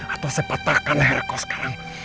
atau saya patahkan leher kau sekarang